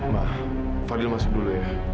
mak fadl masuk dulu ya